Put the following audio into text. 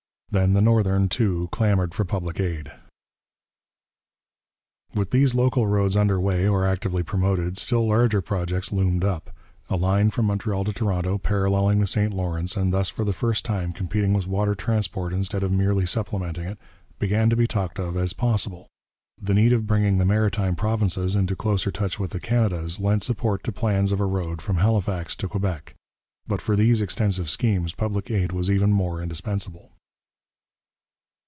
Then the Northern, too, clamoured for public aid. [Illustration: Railroads and Lotteries. An Early Canadian Prospectus] With these local roads under way or actively promoted, still larger projects loomed up. A line from Montreal to Toronto, paralleling the St Lawrence, and thus for the first time competing with water transport instead of merely supplementing it, began to be talked of as possible. The need of bringing the Maritime Provinces into closer touch with the Canadas lent support to plans of a road from Halifax to Quebec. But for these extensive schemes public aid was even more indispensable.